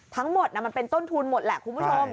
ทั้งหมดมันเป็นต้นทุนหมดแหละคุณผู้ชม